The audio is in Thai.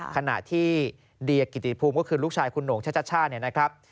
ขณะที่เดียกิติภูมิก็คือลูกชายคุณโหงชัชช่าเนี่ยนะครับ